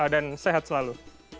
dan sehat selalu